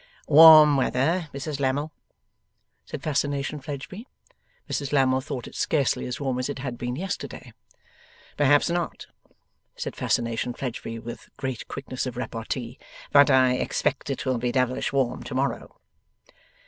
'Warm weather, Mrs Lammle,' said Fascination Fledgeby. Mrs Lammle thought it scarcely as warm as it had been yesterday. 'Perhaps not,' said Fascination Fledgeby, with great quickness of repartee; 'but I expect it will be devilish warm to morrow.